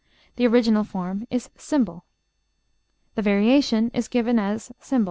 The original form is ### The variation is given as ###.